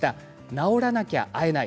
治らなきゃ会えない。